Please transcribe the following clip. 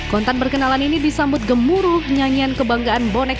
kontan perkenalan ini disambut gemuruh nyanyian kebanggaan bonek